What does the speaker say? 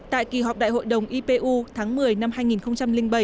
tại kỳ họp đại hội đồng ipu tháng một mươi năm hai nghìn bảy